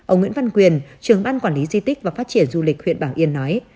ông nguyễn văn quyền trưởng ban quản lý di tích và phát triển du lịch huyện bảo yên nói